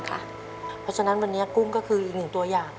เพราะฉะนั้นวันนี้กุ้งก็คืออีกหนึ่งตัวอย่าง